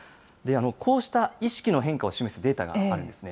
こうした意識の変化を示すデータがあるんですね。